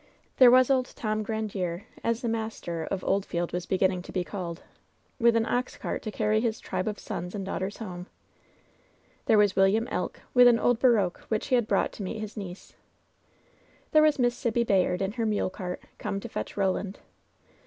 There was old Tom Grandiere — as the master of Old 184 LOVE'S BITTEREST CUP field was beginning to be called — ^with an ox cart to carry his tribe of sons and daughters home. There was William Elk, with an old barouche which he had brought to meet his niece. There was Miss Sibby Bayard in her mule cart, come to fetch Koland.